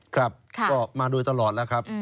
ครับก็มาโดยตลอดแล้วครับ